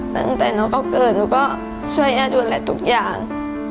ตั้งแต่น้องเขาเกิดหนูก็ช่วยย่าดูแลทุกอย่าง